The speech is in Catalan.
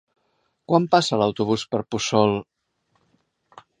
Quan passa l'autobús per Puçol?